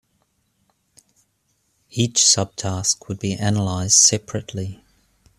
Each subtask would be analyzed separately.